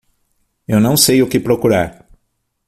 Eu não sei o que procurar.